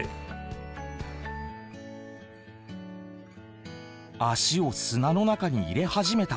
足を砂の中に入れ始めた。